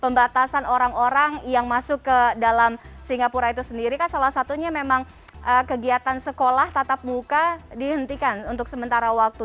pembatasan orang orang yang masuk ke dalam singapura itu sendiri kan salah satunya memang kegiatan sekolah tatap muka dihentikan untuk sementara waktu